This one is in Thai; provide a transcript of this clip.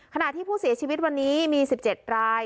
ขณะที่ผู้เสียชีวิตวันนี้มี๑๗ราย